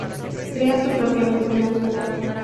Crea tu propia multinacional